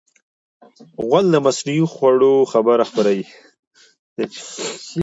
غول د مصنوعي خوړو خبر خپروي.